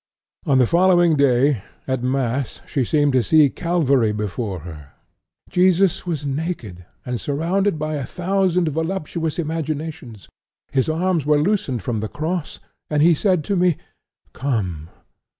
On the following day at mass she seemed to see Calvary before her. 'Jesus was naked and surrounded by a thousand voluptuous imaginations; His arms were loosened from the cross, and he said to me: "Come!"